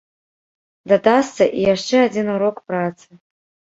Дадасца і яшчэ адзін урок працы.